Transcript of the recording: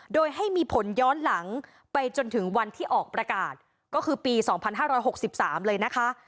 โดยให้มีผลย้อนหลังไปจนถึงวันที่ออกประกาศก็คือปี๒๕๖๓เลยนะคะ